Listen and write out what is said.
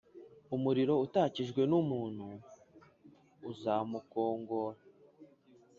umuriro utakijwe n’umuntu uzamukongora,